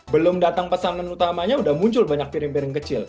belum datang pesanan utamanya sudah muncul banyak piring piring kecil